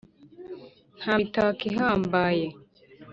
nta mitako ihambaye,